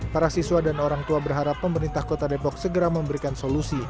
para siswa dan orang tua berharap pemerintah kota depok segera memberikan solusi